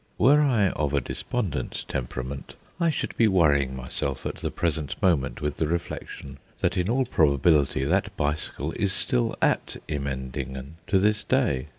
Were I of a despondent temperament I should be worrying myself at the present moment with the reflection that in all probability that bicycle is still at Immendingen to this day.